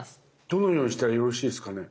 どのようにしたらよろしいですかね？